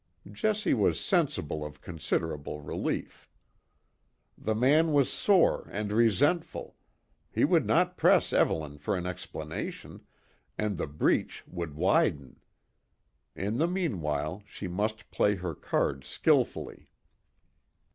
Jessie was sensible of considerable relief. The man was sore and resentful; he would not press Evelyn for an explanation, and the breach would widen. In the meanwhile she must play her cards skilfully.